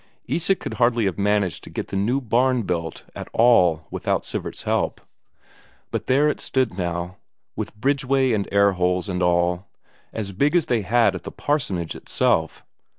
Isak could hardly have managed to get the new barn built at all without Sivert's help but there it stood now, with bridge way and air holes and all, as big as they had at the parsonage itself.